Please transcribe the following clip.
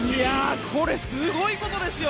これ、すごいことですよ